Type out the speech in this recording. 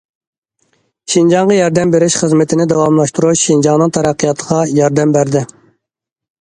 شىنجاڭغا ياردەم بېرىش خىزمىتىنى داۋاملاشتۇرۇش شىنجاڭنىڭ تەرەققىياتىغا ياردەم بەردى.